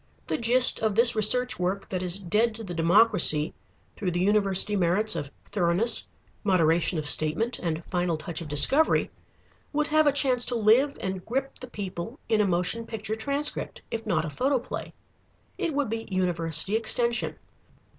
The gist of this research work that is dead to the democracy, through the university merits of thoroughness, moderation of statement, and final touch of discovery, would have a chance to live and grip the people in a motion picture transcript, if not a photoplay. It would be University Extension.